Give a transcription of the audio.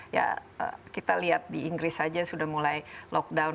ya kita lihat di inggris saja sudah mulai lockdown